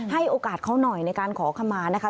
ให้โอกาสเขาหน่อยในการขอขมานะคะ